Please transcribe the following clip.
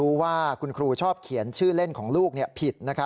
ว่าคุณครูชอบเขียนชื่อเล่นของลูกผิด